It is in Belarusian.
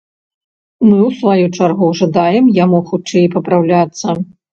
Мы ў сваю чаргу жадаем яму хутчэй папраўляцца!